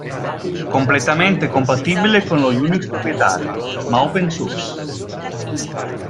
Completamente compatibile con lo Unix proprietario, ma Open Source.